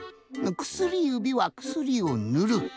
薬指は薬をぬる。